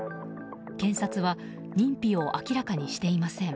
検察は認否を明らかにしていません。